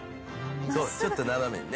ちょっと斜めにね。